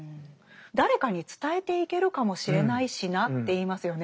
「誰かに伝えていけるかもしれないしな」って言いますよね。